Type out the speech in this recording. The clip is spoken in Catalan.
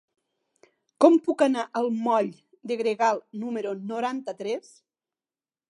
Com puc anar al moll de Gregal número noranta-tres?